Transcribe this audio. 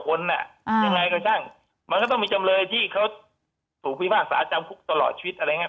ยังไงก็ช่างมันก็ต้องมีจำเลยที่เขาถูกพิพากษาจำคุกตลอดชีวิตอะไรอย่างนี้